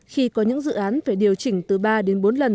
khi có những dự án phải điều chỉnh từ ba đến bốn lần